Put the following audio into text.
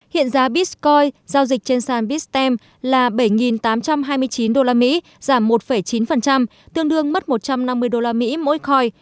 hiện giá bitcoin giao dịch trên sàn bitstem là bảy tám trăm hai mươi chín usd giảm một chín tương đương mất một trăm năm mươi usd mỗi coi